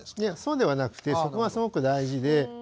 いやそうではなくてそこがすごく大事で。